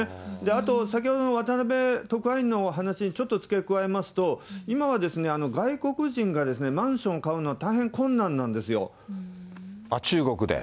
あと、先ほどの渡辺特派員の話にちょっと付け加えますと、今は外国人がマンション買うのは、中国で？